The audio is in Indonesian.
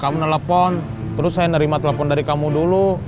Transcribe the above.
kamu nelepon terus saya nerima telepon dari kamu dulu